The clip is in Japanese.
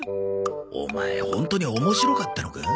オマエホントに面白かったのか？